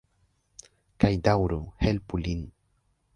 Kaj daŭru... helpu lin.